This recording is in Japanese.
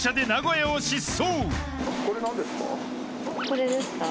これですか？